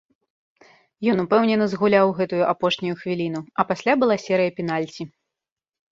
Ён упэўнена згуляў гэтую апошнюю хвіліну, а пасля была серыя пенальці.